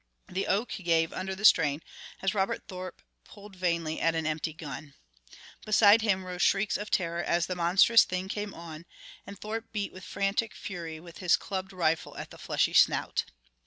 The oak gave under the strain as Robert Thorpe pulled vainly at an empty gun. Beside him rose shrieks of terror as the monstrous thing came on, and Thorpe beat with frantic fury with his clubbed rifle at the fleshy snout.